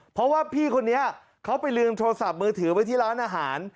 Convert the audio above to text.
เพราะว่าพี่คนนี้เขาไปลืมโทรศัพท์มือถือไว้ที่ร้านอาหาร